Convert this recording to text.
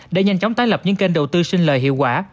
để nhanh chóng tái lập những kênh đầu tư xin lời hiệu quả